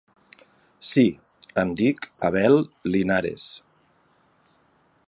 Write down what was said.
Si, em dic Abel Linares.